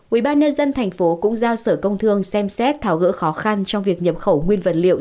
ubnd thành phố cũng giao sở công thương xem xét thảo gỡ khó khăn trong việc nhập khẩu nguyên vật liệu